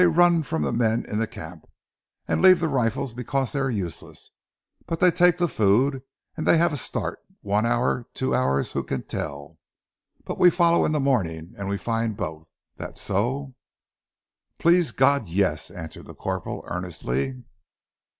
"They run from the men in the camp, and leave the rifles because they are useless, but they take the food, and they have a start one hour two hours who can tell? But we follow in the morning and we find both. That so?" "Please God, yes!" answered the corporal earnestly.